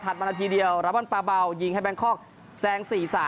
มานาทีเดียวราบอนปาเบายิงให้แบงคอกแซง๔๓